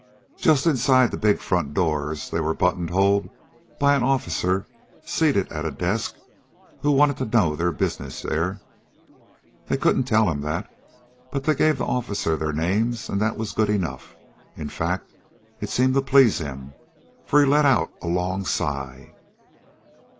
Just inside the big front doors, they were buttonholed by an officer seated at a desk who wanted to know their business there. They couldn't tell him that, but they gave the officer their names, and that was good enough. In fact, it seemed to please him, for he let out a long sigh.